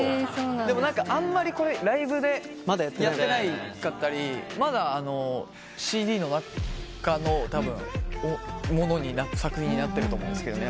でもあんまりこれライブでやってなかったりまだＣＤの中の作品になってると思うんですけど。